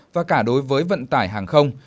và cả đối với vận tải hàng không